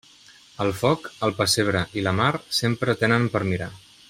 El foc, el pessebre i la mar sempre tenen per mirar.